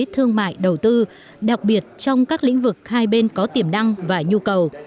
thương mại đầu tư đặc biệt trong các lĩnh vực hai bên có tiềm năng và nhu cầu